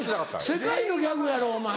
世界のギャグやろお前。